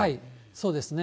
そうですね。